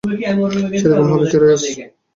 সেরকম হলে, চিয়ার্স।